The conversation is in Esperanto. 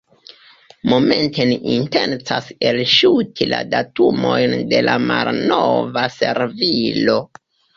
Momente ni intencas elŝuti la datumojn de la malnova servilo.